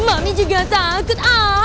mami juga takut